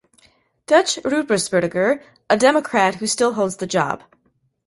Dutch Ruppersberger, a Democrat who still holds the job.